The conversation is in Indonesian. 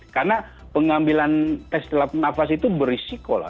karena pengambilan tes telap nafas itu berisiko lah